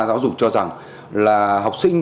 giáo dục cho rằng là học sinh